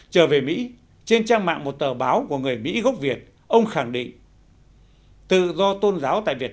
trở về mỹ trên trang mạng một tờ báo của người mỹ gốc việt ông khẳng định tự do tôn giáo tại việt